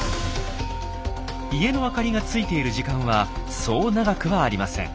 家の明かりがついている時間はそう長くはありません。